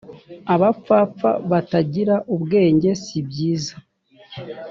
abapfapfa batagira ubwenge sibyiza